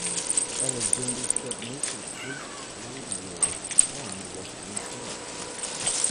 Alexander spent most of the First World War on the Western Front.